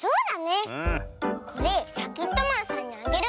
これシャキットマンさんにあげる！